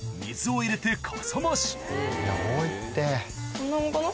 こんなもんかな？